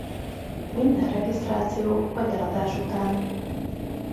Minden regisztráció vagy eladás után.